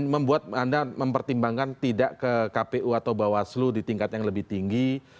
membuat anda mempertimbangkan tidak ke kpu atau bawaslu di tingkat yang lebih tinggi